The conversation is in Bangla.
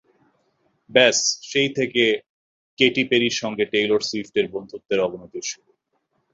ব্যস, সেই থেকে কেটি পেরির সঙ্গে টেইলর সুইফটের বন্ধুত্বের অবনতির শুরু।